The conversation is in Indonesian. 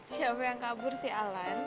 siapa yang kabur si alan